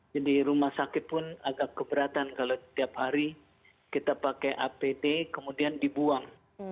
jadi rumah sakit pun agak keberatan kalau tiap hari kita pakai apt kemudian dibuang